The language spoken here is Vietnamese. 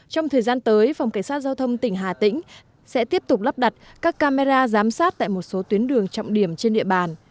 trong thời gian tới phòng cảnh sát giao thông tỉnh hà tĩnh sẽ tiếp tục lắp đặt các camera giám sát tại một số tuyến đường trọng điểm trên địa bàn